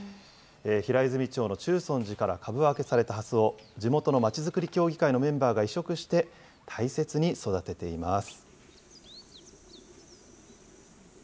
平泉町の中尊寺から株分けされたハスを、地元のまちづくり協議会のメンバーが移植して、大切に育てています。